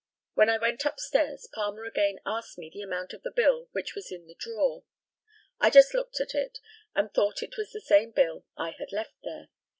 When I went upstairs Palmer again asked me the amount of the bill which was in the drawer. I just looked at it, and thought it was the same bill I had left there.